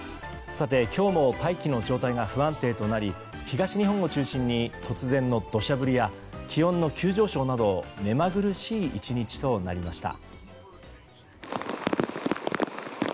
今日も大気の状態が不安定となり東日本を中心に突然の土砂降りや気温の急上昇など目まぐるしい１日となりました。